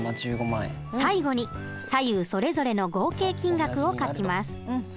最後に左右それぞれの合計金額を書きます。